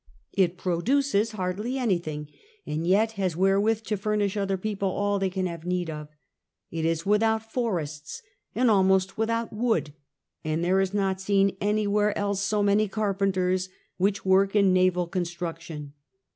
It produces hardly anything, and yet has wherewith to furnish other people all they can have need of. It is with out forests and almost without wood, and there is not seen anywhere else so many carpenters, which work in naval construction.